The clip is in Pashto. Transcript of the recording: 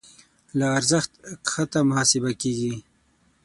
له ارزښت کښته محاسبه کېږي.